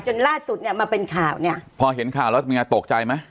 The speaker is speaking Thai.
จนสุดว่าจะเป็นข่าวพอเห็นข่าวแล้วหยัดตกใจมั้ย